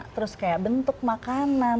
terus kayak bentuk makanan